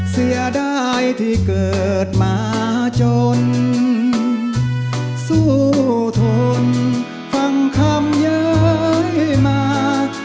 เสียดายที่เกิดมาจนสู้ทนฟังคำย้ายมา